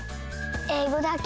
えいごだけ？